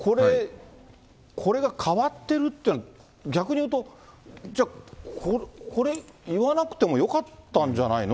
これが変わってるっていうのは、逆に言うと、じゃあ、これ言わなくてもよかったんじゃないの？